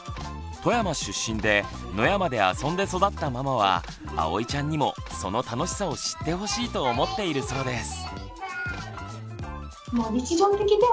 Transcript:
富山出身で野山であそんで育ったママはあおいちゃんにもその楽しさを知ってほしいと思っているそうです。